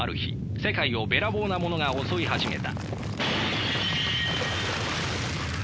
世界をべらぼうなものが襲い始めた。